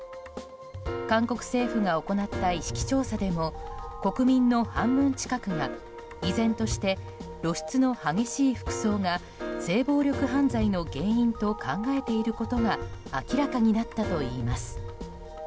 韓国政府が行った意識調査でも国民の半分近くが依然として、露出の激しい服装が性暴力犯罪の原因と考えていることが明らかになったといいます。